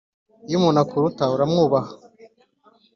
iyo umuntu akuruta uramwubaha